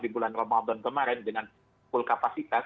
di bulan ramadan kemarin dengan full kapasitas